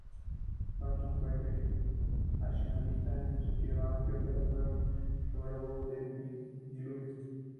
Thomson fue creacionista en un sentido amplio, pero no fue un "geólogo del diluvio".